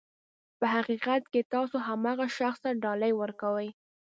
په حقیقت کې تاسو هماغه شخص ته ډالۍ ورکوئ.